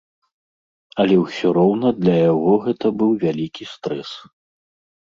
Але ўсё роўна для яго гэты быў вялікі стрэс.